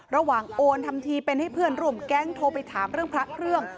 โอนทำทีเป็นให้เพื่อนร่วมแก๊งโทรไปถามเรื่องพระเครื่อง